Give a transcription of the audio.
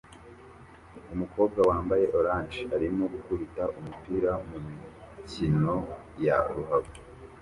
Umukobwa wambaye orange arimo gukubita umupira mumikino ya ruhago